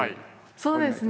そうですね。